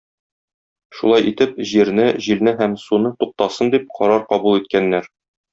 Шулай итеп Җирне, Җилне һәм Суны "туктасын" дип, карар кабул иткәннәр.